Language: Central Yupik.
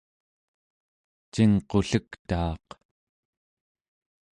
cingqullektaaq